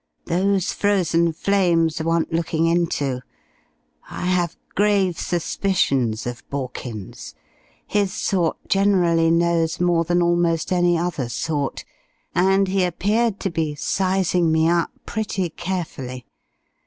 Those Frozen Flames want looking into. I have grave suspicions of Borkins. His sort generally knows more than almost any other sort, and he appeared to be sizing me up pretty carefully.